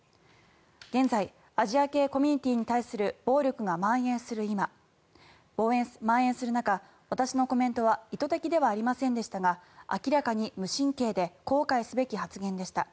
現在アジア系コミュニティーに対する暴力がまん延する中私のコメントは意図的ではありませんでしたが明らかに無神経で後悔すべき発言でした。